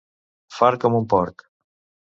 Fart com un porc.